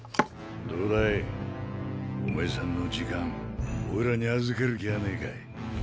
どうだいおめぇさんの時間おいらに預ける気はねぇかい？